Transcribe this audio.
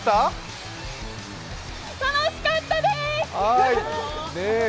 楽しかったです！